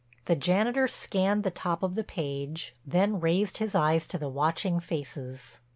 The janitor scanned the top of the page, then raised his eyes to the watching faces.